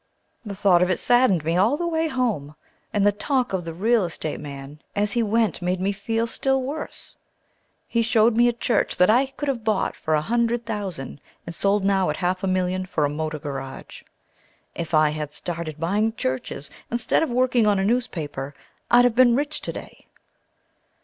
The thought of it saddened me all the way home: and the talk of the real estate man as he went made me feel still worse. He showed me a church that I could have bought for a hundred thousand and sold now at half a million for a motor garage. If I had started buying churches instead of working on a newspaper, I'd have been rich to day.